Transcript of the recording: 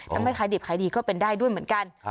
ทำให้ขายดิบขายดีก็เป็นได้ด้วยเหมือนกัน